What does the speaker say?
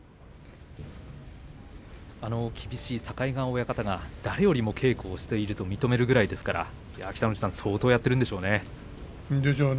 厳しい境川親方が誰よりも稽古をしていると認めるぐらいですから北の富士さんでしょうね。